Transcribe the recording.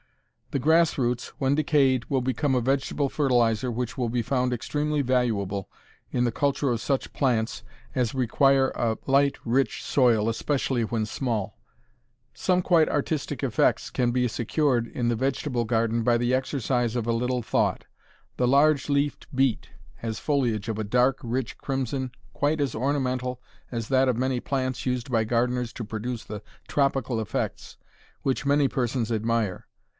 The grassroots, when decayed, will become a vegetable fertilizer which will be found extremely valuable in the culture of such plants as require a light, rich soil, especially when small. Some quite artistic effects can be secured in the vegetable garden by the exercise of a little thought. The large leaved beet has foliage of a dark, rich crimson quite as ornamental as that of many plants used by gardeners to produce the "tropical effects" which many persons admire.